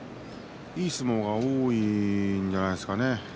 いい相撲が多いんじゃないでしょうかね。